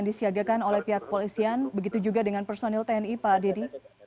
disiagakan oleh pihak polisian begitu juga dengan personil tni pak dedy